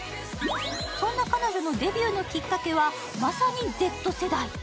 そんな彼女のデビューのきっかけは、まさにＺ世代。